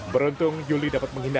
beruntung yuli dapat menghindar